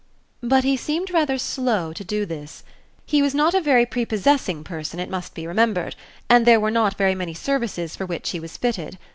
But he seemed rather slow to do this. He was not a very prepossessing person, it must be remembered, and there were not very many services for which he was fitted.